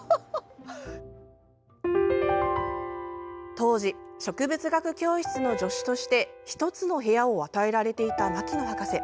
当時植物学教室の助手として１つの部屋を与えられていた牧野博士。